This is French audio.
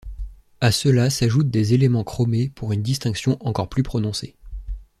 À cela s'ajoutent des éléments chromés pour une distinction encore plus prononcée.